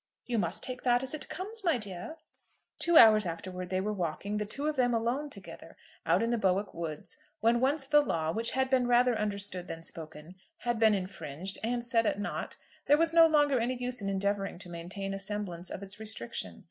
"You must take that as it comes, my dear." Two hours afterwards they were walking, the two of them alone together, out in the Bowick woods. When once the law, which had been rather understood than spoken, had been infringed and set at naught, there was no longer any use in endeavouring to maintain a semblance of its restriction.